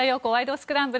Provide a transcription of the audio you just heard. スクランブル」